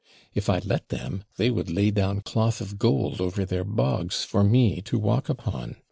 If I'd let them, they would lay down cloth of gold over their bogs for me to walk upon.